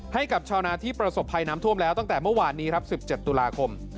ให้กับชาวนาที่ประสบภัยน้ำท่วมแล้วตั้งแต่เมื่อวานนี้ครับ๑๗ตุลาคม